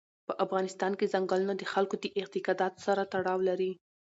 په افغانستان کې ځنګلونه د خلکو د اعتقاداتو سره تړاو لري.